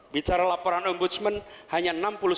bicara laporan ombudsman hanya enam puluh sembilan